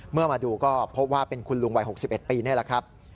เมื่อมาดูก็พบว่าเป็นคุณลุงวัย๖๑ปีนี่แหละครับ